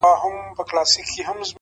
يې پټ په لاس نوکاره کړ او ويې ويل-